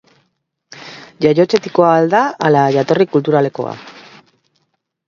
Jaiotzetikoa al da, ala jatorri kulturalekoa?